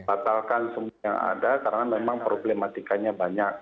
batalkan semua yang ada karena memang problematikanya banyak